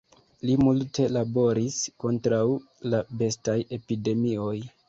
Li multe laboris kontraŭ la bestaj epidemioj.